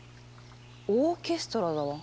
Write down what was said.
オーケストラだわ。